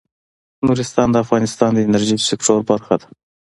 نورستان د افغانستان د انرژۍ سکتور برخه ده.